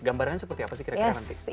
gambarannya seperti apa sih kira kira nanti